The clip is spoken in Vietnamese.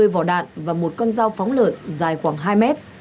một mươi vỏ đạn và một con dao phóng lợn dài khoảng hai mét